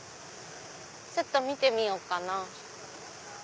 ちょっと見てみようかな。